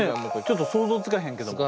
ちょっと想像つかへんけども。